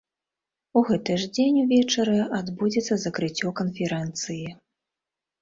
У гэты ж дзень увечары адбудзецца закрыццё канферэнцыі.